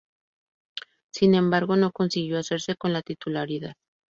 Sin embargo no consiguió hacerse con la titularidad.